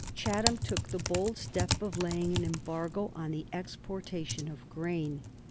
Chatham took the bold step of laying an embargo on the exportation of grain.